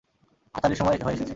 আচারের সময় হয়ে এসেছে।